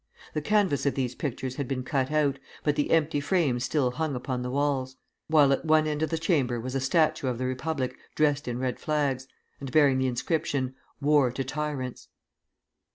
The canvas of these pictures had been cut out, but the empty frames still hung upon the walls; while at one end of the chamber was a statue of the Republic dressed in red flags, and bearing the inscription, "War to Tyrants."